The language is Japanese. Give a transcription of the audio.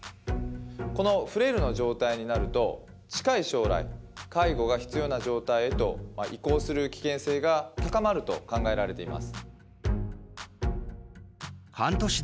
このフレイルの状態になると近い将来、介護が必要な状態へ移行する危険性が高まると考えられています。